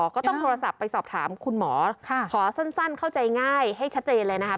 ก็ต้องโทรศัพท์ไปสอบถามคุณหมอขอสั้นเข้าใจง่ายให้ชัดเจนเลยนะคะ